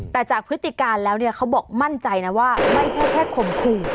แต่จากพฤติการแล้วเนี่ยเขาบอกมั่นใจนะว่าไม่ใช่แค่ข่มขู่